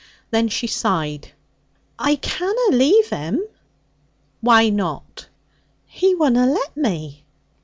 Then she sighed. 'I canna leave 'im.' 'Why not?' 'He wunna let me.'